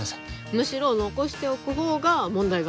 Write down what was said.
むしろ残しておく方が問題があると？